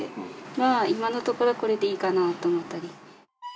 まあ今のところはこれでいいかなと思ったり。